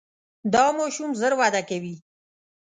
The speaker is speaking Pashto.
دا ماشوم ژر وده کوي.